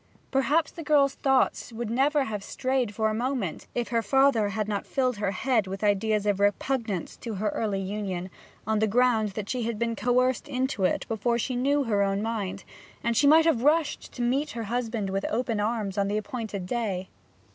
Perhaps the girl's thoughts would never have strayed for a moment if her father had not filled her head with ideas of repugnance to her early union, on the ground that she had been coerced into it before she knew her own mind; and she might have rushed to meet her husband with open arms on the appointed day.